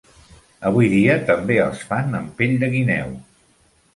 Avui dia, també els fan amb pell de guineu.